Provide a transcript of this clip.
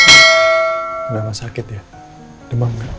udah sama sakit ya demam gak